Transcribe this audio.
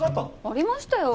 ありましたよ。